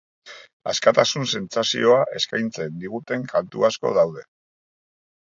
Askatasun sentsazioa eskaintzen diguten kantu asko daude.